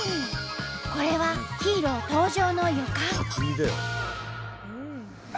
これはヒーロー登場の予感！